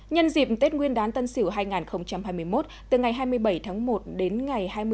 nhân dịp tết nguyên đán tân sửu hai nghìn hai mươi một từ ngày hai mươi bảy tháng một đến ngày hai mươi